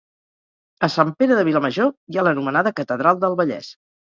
A Sant Pere de Vilamajor hi ha l'anomenada catedral del Vallès